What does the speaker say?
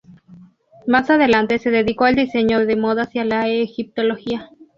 Más adelante se dedicó al diseño de modas y a la egiptología.